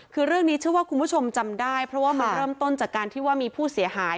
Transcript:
คือเรื่องนี้เชื่อว่าคุณผู้ชมจำได้เพราะว่ามันเริ่มต้นจากการที่ว่ามีผู้เสียหาย